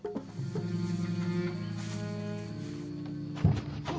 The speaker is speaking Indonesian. kepala kota kepala